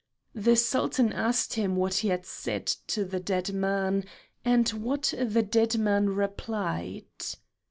The Sultan asked him what he had said to the dead man, and what the dead man replied.